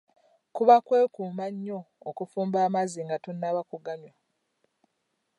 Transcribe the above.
Kuba kwekuuma nnyo okufumba amazzi nga tonnaba ku ganywa.